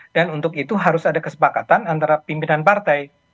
dan untuk itu harus ada kesepakatan antara pimpinan partai